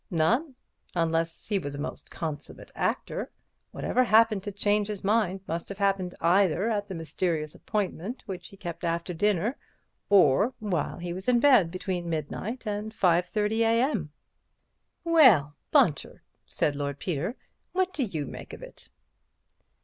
"None—unless he was a most consummate actor. Whatever happened to change his mind must have happened either at the mysterious appointment which he kept after dinner, or while he was in bed between midnight and 5:30 a. m." "Well, Bunter," said Lord Peter, "what do you make of it?"